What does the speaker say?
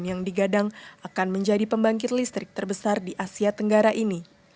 yang digadang akan menjadi pembangkit listrik terbesar di asia tenggara ini